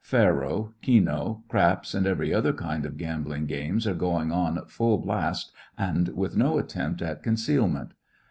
FarOj keno, ^* craps," and every other kind of ambling games are going on at full blast and with no attempt at concealmeut.